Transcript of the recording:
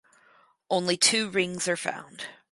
Only two rings are found.